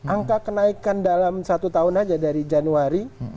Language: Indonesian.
angka kenaikan dalam satu tahun saja dari januari